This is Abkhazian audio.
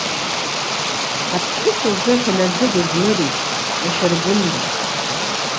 Аԥҳәыс лзыҳәан аӡы дызмырит, ашәаргәында.